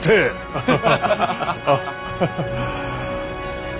ハハハハハ。